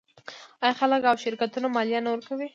آیا خلک او شرکتونه مالیه نه ورکوي؟